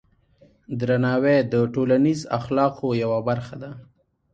درناوی د ټولنیز اخلاقو یوه برخه ده.